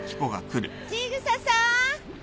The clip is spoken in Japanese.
千草さーん！